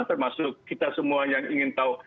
termasuk kita semua yang ingin tahu